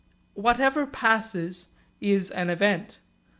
Whatever passes is an event.